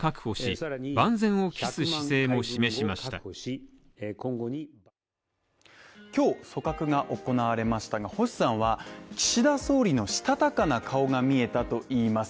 さらに万全を期す姿勢も示しました今日、組閣が行われましたが星さんは、岸田総理のしたたかな顔が見えたといいます。